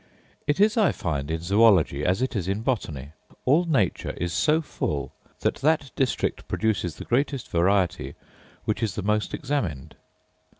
It is, I find, in zoology as it is in botany: all nature is so full, that that district produces the greatest variety which is the most examined.